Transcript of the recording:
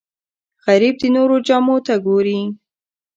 غریب د نورو جامو ته ګوري